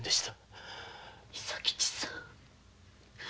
伊佐吉さん